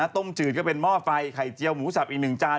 ต้มจืดก็เป็นหม้อไฟไข่เจียวหมูสับอีกหนึ่งจาน